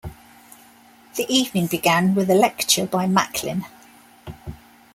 The evening began with a lecture by Macklin.